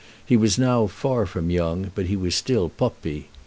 He was now far from young, but he was still Poppi.